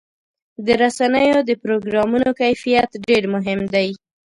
د رسنیو د پروګرامونو کیفیت ډېر مهم دی.